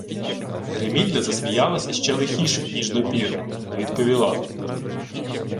Гримільда засміялася ще лихіше, ніж допіру, й відповіла;